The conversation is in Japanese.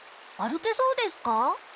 歩けそうですか？